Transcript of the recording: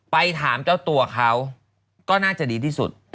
ไปถามเจ้าตัวเขาก็น่าจะดีที่สุด